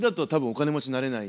お金持ちになれない。